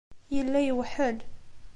Yella yewḥel.